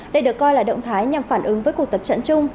đây được coi là động thái nhằm phản ứng với cuộc tập trận chung